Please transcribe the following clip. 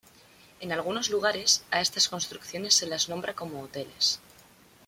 En algunos lugares, a estas construcciones se las nombra como hoteles.